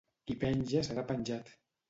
Qui penja serà penjat.